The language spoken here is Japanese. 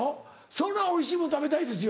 そりゃおいしいもん食べたいですよ。